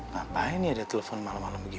ngapain nih ada telepon malem malem begini